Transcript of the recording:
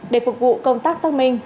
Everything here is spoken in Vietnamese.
để phục vụ công tác xác minh